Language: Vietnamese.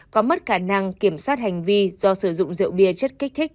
có mất khả năng kiểm soát hành vi do sử dụng rượu bia chất kích thích